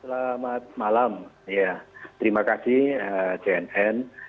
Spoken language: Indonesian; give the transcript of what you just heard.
sejauh ini bagaimana penanganan dari kebakaran gunung arjuna dan ulirang ini reza